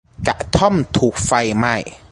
กระท่อมถูกไฟไหม้